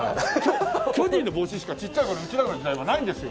巨人の帽子しかちっちゃい頃うちらの時代はないんですよ。